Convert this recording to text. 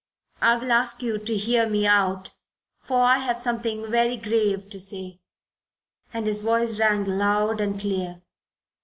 "I will ask you to hear me out, for I have something very grave to say." And his voice rang loud and clear.